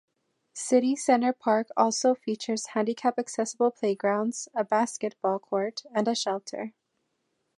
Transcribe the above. City Center Park also features handicap accessible playgrounds, a basketball court, and a shelter.